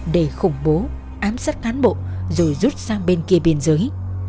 để khủng bố ám sát cán bộ rồi rút sang bên kia biên giới